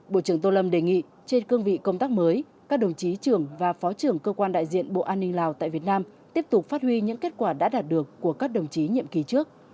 bộ trưởng tô lâm đề nghị trên cương vị công tác mới các đồng chí trưởng và phó trưởng cơ quan đại diện bộ an ninh lào tại việt nam tiếp tục phát huy những kết quả đã đạt được của các đồng chí nhiệm kỳ trước